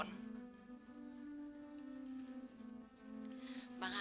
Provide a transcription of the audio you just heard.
nanti saya mau ke rumah